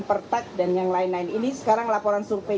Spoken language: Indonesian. pertak dan yang lain lain ini sekarang laporan survei